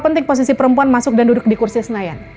penting posisi perempuan masuk dan duduk di kursi senayan